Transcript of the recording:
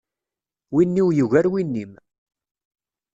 Win-iw yugar win-im.